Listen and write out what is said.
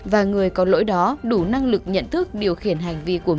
và người có lỗi đó đủ năng lực nhận thức điều khác